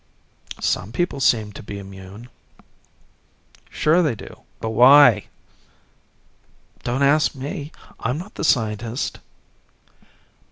"Some people seem to be immune." "Sure they do but why?" "Don't ask me. I'm not the scientist."